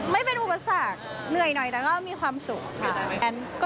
ไม่เป็นอุปสรรคเหนื่อยหน่อยแต่ก็มีความสุขค่ะ